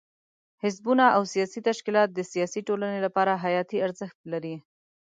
حزبونه او سیاسي تشکیلات د سیاسي ټولنې لپاره حیاتي ارزښت لري.